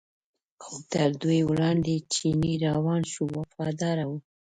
خو تر دوی وړاندې چینی روان شو وفاداره و.